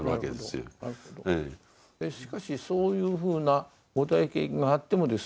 しかしそういうふうなご体験があってもですね